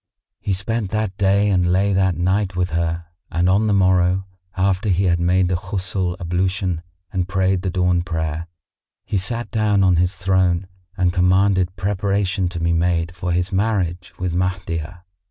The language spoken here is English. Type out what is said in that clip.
He spent that day and lay that night with her and on the morrow, after he had made the Ghusl ablution and prayed the dawn prayer, he sat down on his throne and commanded preparation to be made for his marriage with Mahdiyah.